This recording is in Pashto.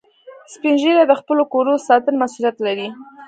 سپین ږیری د خپلو کورو د ساتنې مسؤولیت لري